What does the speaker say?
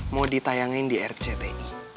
mau ditayangin di rcti